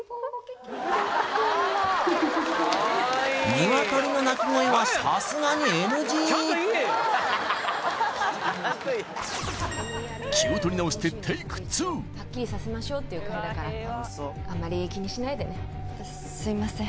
ニワトリの鳴き声はさすがにＮＧ気を取り直してテイク２はっきりさせましょうっていう会だからあんまり気にしないでねすいません